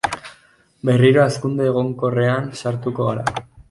Berriro hazkunde egonkorrean sartuko gara.